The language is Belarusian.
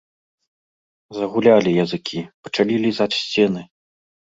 Загулялі языкі, пачалі лізаць сцены.